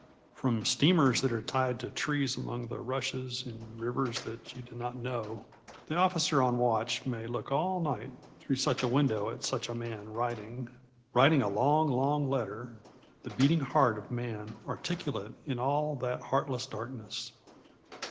From steamers that are tied to trees among the rushes, in rivers that you do not know, the officer on watch may look all night through such a window at such a man writing, writing a long, long letter the beating heart of man, articulate in all that heartless darkness.